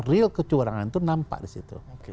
real kecurangan itu nampak disitu